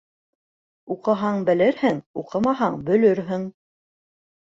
Уҡыһаң белерһең, уҡымаһаң бөлөрһөң.